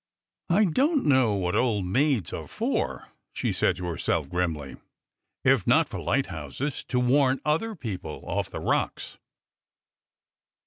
I don't know what old maids are for," she said to herself grimly, if not for lighthouses to warn other people off the rocks